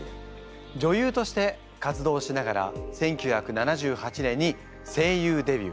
女優として活動しながら１９７８年に声優デビュー。